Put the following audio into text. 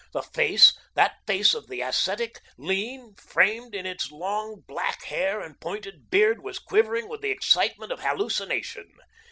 The face, that face of the ascetic, lean, framed in its long black hair and pointed beard, was quivering with the excitement of hallucination.